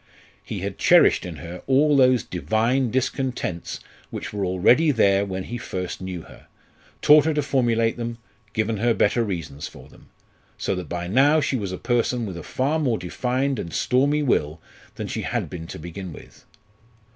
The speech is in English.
He had cherished in her all those "divine discontents" which were already there when he first knew her; taught her to formulate them, given her better reasons for them; so that by now she was a person with a far more defined and stormy will than she had been to begin with.